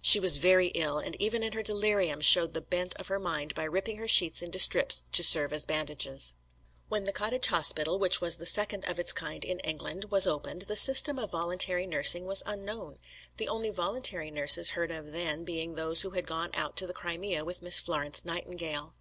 She was very ill, and even in her delirium showed the bent of her mind by ripping her sheets into strips to serve as bandages. When the cottage hospital which was the second of its kind in England was opened, the system of voluntary nursing was unknown; the only voluntary nurses heard of then being those who had gone out to the Crimea with Miss Florence Nightingale.